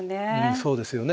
そうですよね。